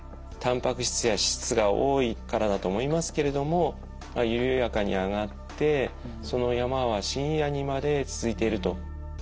たんぱく質や脂質が多いからだと思いますけれども緩やかに上がってその山は深夜にまで続いていると。